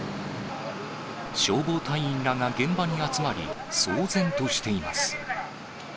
消防隊員らが現場に集まり、騒然としています。